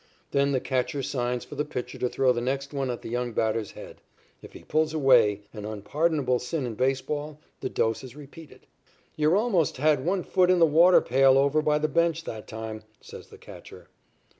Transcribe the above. Then the catcher signs for the pitcher to throw the next one at the young batter's head. If he pulls away, an unpardonable sin in baseball, the dose is repeated. "Yer almost had your foot in the water pail over by the bench that time," says the catcher.